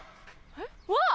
うわっ！